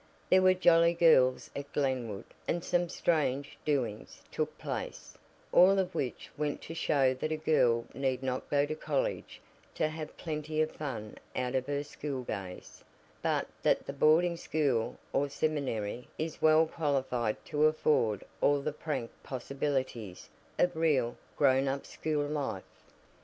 There were jolly girls at Glenwood, and some strange "doings" took place, all of which went to show that a girl need not go to college to have plenty of fun out of her schooldays, but that the boarding school, or seminary, is well qualified to afford all the "prank possibilities" of real, grown up school life.